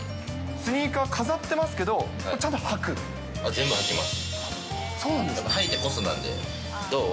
スニーカー、飾ってますけど、全部履きます。